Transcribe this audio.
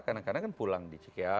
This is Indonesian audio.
kadang kadang kan pulang di cikia